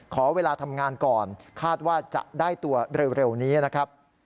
ขอเวลาทำงานก่อนคาดว่าจะได้ตัวเร็วนี้นะครับ